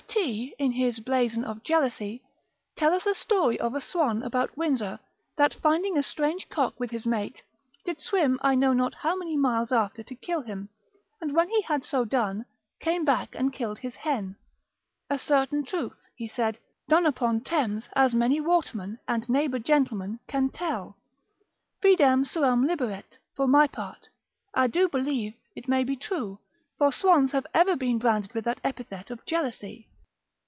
T. in his Blazon of Jealousy, telleth a story of a swan about Windsor, that finding a strange cock with his mate, did swim I know not how many miles after to kill him, and when he had so done, came back and killed his hen; a certain truth, he saith, done upon Thames, as many watermen, and neighbour gentlemen, can tell. Fidem suam liberet; for my part, I do believe it may be true; for swans have ever been branded with that epithet of jealousy.